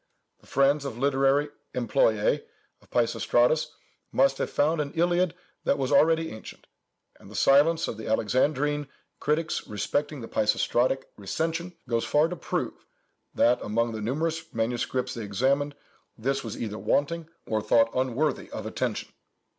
The friends or literary employês of Peisistratus must have found an Iliad that was already ancient, and the silence of the Alexandrine critics respecting the Peisistratic "recension," goes far to prove, that, among the numerous manuscripts they examined, this was either wanting, or thought unworthy of attention.